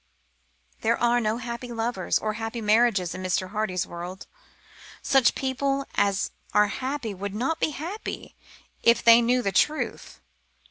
There are no happy lovers or happy marriages in Mr. Hardy's world. Such people as are happy would not be happy if only they knew the truth.